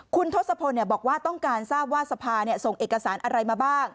คุณทศพลบอกว่าต้องการทราบว่าสภาส่งเอกสารอะไรมาบ้าง